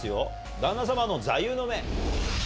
旦那様の座右の銘。